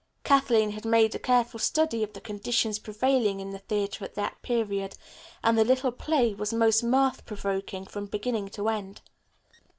Kathleen had made a careful study of the conditions prevailing in the theatre at that period, and the little play was most mirth provoking from beginning to end.